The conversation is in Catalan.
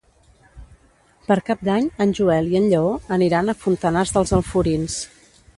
Per Cap d'Any en Joel i en Lleó aniran a Fontanars dels Alforins.